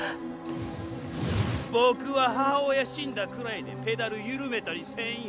ボクは母親死んだくらいでペダルゆるめたりせんよ